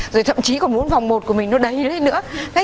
rồi thậm chí còn muốn vòng một của mình nó đầy lên nữa